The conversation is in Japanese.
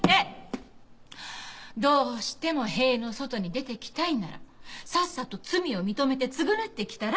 どうしても塀の外に出てきたいんならさっさと罪を認めて償ってきたら？